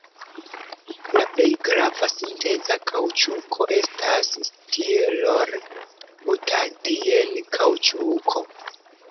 La plej grava sinteza kaŭĉuko estas stirol-butadien-kaŭĉuko.